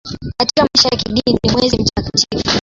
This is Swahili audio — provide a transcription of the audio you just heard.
Katika maisha ya kidini ni mwezi mtakatifu.